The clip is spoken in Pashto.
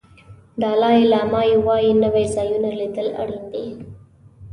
دالای لاما وایي نوي ځایونه لیدل اړین دي.